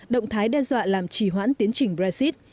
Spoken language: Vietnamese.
động thái đe dọa làm trì hoãn tiến trình brexit